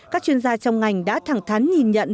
các chuyên gia trong ngành đã thẳng thắn nhìn nhận